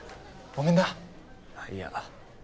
ごめんなあっいや